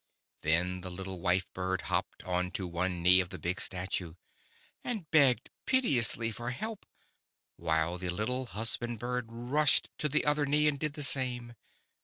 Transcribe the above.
Then the little wife bird hopped on to one knee of the big Statue and begged piteously for help, while the little husband bird rushed to the other knee and did the same.